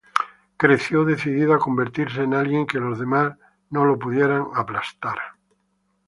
Él creció decidido a convertirse en alguien que los demás, no lo pudieran "aplastar".